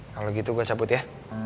kalau gitu gue cabut ya